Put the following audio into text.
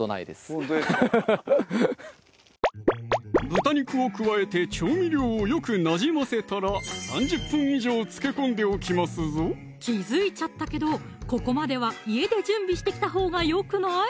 豚肉を加えて調味料をよくなじませたら３０分以上つけ込んでおきますぞ気付いちゃったけどここまでは家で準備してきたほうがよくない？